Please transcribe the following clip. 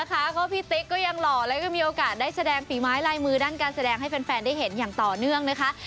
ก็พี่ติ๊กก็ยังหล่อแล้วก็มีโอกาสได้แสดงฝีไม้ลายมือด้านการแสดงให้แฟนได้เห็นอย่างต่อเนื่องนะคะ